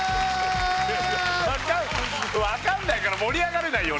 分かん分かんないから盛り上がれないよ